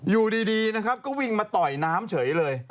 อยู่ดีนะครับก็วิ่งมาต่อยน้ำเฉยเลย